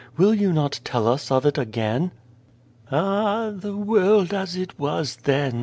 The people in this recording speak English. Will you not tell us of it, again?" " Ah ! the world as it was then !